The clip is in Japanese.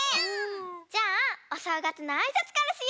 じゃあおしょうがつのあいさつからしようか。